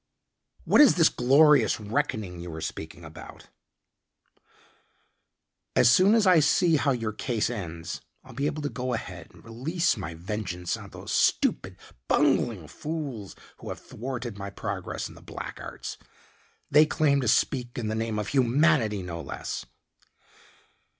"What is this glorious reckoning you were speaking about?" "As soon as I see how your case ends, I'll be able to go ahead and release my vengeance on those stupid, bungling fools who have thwarted my progress in the black arts. They claim to speak in the name of humanity, no less!"